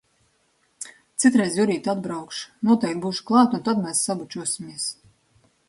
Citreiz, Jurīt, atbraukšu, noteikti būšu klāt un tad mēs sabučosimies.